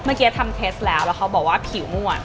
เมื่อกี้ทำเทสแล้วแล้วเขาบอกว่าผิวมั่ว